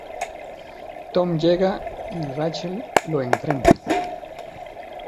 Tom llega y Rachel lo enfrenta.